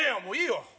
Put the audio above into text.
もういいよ